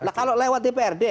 nah kalau lewat dprd